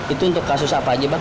itu untuk kasus apa aja bang